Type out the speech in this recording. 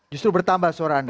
justru bertambah suara anda